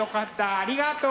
ありがとう。